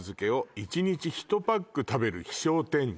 「１日１パック食べる飛翔天女」